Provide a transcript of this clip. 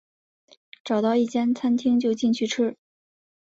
找到一间餐厅就进去吃